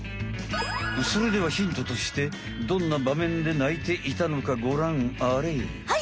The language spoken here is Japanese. それではヒントとしてどんな場面で鳴いていたのかごらんあれい。